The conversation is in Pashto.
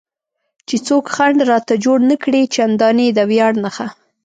چې څوک خنډ راته جوړ نه کړي، چندانې د ویاړ نښه.